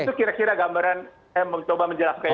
itu kira kira gambaran emang coba menjelaskannya